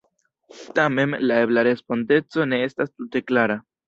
Tamen, la ebla respondeco ne estas tute klara.